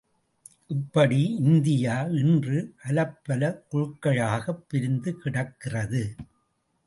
இப்படி இந்தியா இன்று பலப்பல குழுக்களாகப் பிரிந்து கிடக்கிறது.